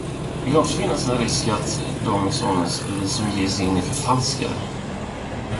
Det kan också finnas en risk att de examensbevis som ges in är förfalskade.